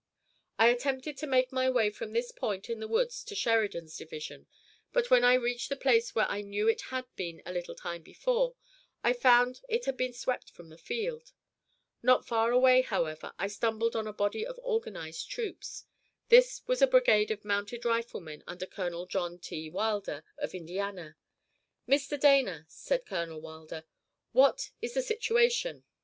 I attempted to make my way from this point in the woods to Sheridan's division, but when I reached the place where I knew it had been a little time before, I found it had been swept from the field. Not far away, however, I stumbled on a body of organized troops. This was a brigade of mounted riflemen under Colonel John T. Wilder, of Indiana. "Mr. Dana," asked Colonel Wilder, "what is the situation?"